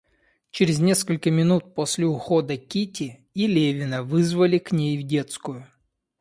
Через несколько минут после ухода Кити, и Левина вызвали к ней в детскую.